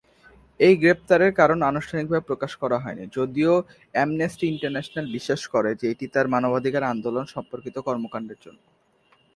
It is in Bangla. এই গ্রেপ্তারের কারণ আনুষ্ঠানিকভাবে প্রকাশ করা হয়নি, যদিও অ্যামনেস্টি ইন্টারন্যাশনাল বিশ্বাস করে যে এটি তার মানবাধিকার আন্দোলন সম্পর্কিত কর্মকাণ্ডের জন্য।